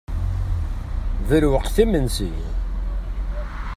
D lweqt imensi.